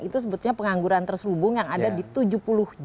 itu sebetulnya pengangguran terselubung yang ada di tujuh puluh juta